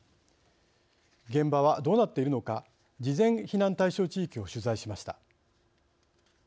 現場はどうなっているのか事前避難対象地域を取材しました。